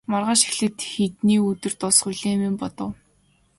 Маргааш эхлээд хэдний өдөр дуусах билээ хэмээн бодов.